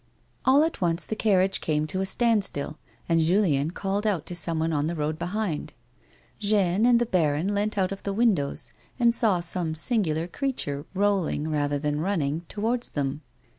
'' All at once the carriage came to a standstill, and Julien called out to someone on the road behind ; Jeanne and the baron leaut out of the windows, and saw some singular creature roUiug, rather than running, towards them.